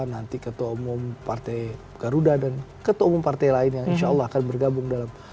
nanti ketua umum partai garuda dan ketua umum partai lain yang insya allah akan bergabung dalam